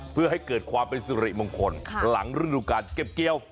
เพื่อให้เกิดความเป็นสุริมงคลหลังฤดูการเก็บเกี่ยว